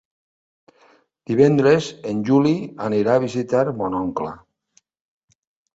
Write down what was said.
Divendres en Juli anirà a visitar mon oncle.